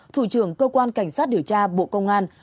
thủ trưởng cơ quan cảnh sát điều tra bộ công an